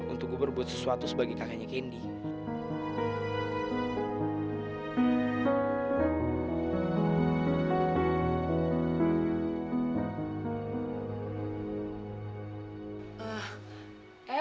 untuk gue berbuat sesuatu sebagai kakaknya kendi